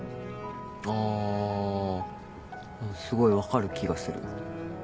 あすごい分かる気がする。